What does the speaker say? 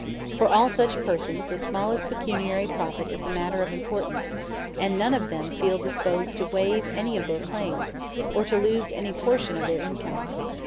For all such persons the smallest pecuniary profit is a matter of importance, and none of them feel disposed to waive any of their claims, or to lose any portion of their income.